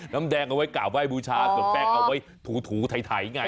น้ำแดงเอาไว้กราบไห้บูชาส่วนแป้งเอาไว้ถูไถไง